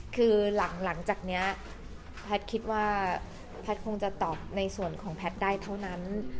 คือหลังจากนี้แพทย์คิดว่าแพทย์คงจะตอบในส่วนของแพทย์ได้เท่านั้น